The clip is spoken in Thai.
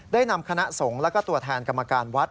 ได้นำคณะสงฆ์แล้วก็ตัวแทนกรรมการวัด